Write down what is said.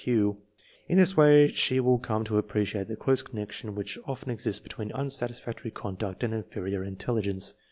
1 In this way she will come to appreciate the close connec tion which often exists between unsatisfactory conduct and inferior intelligence.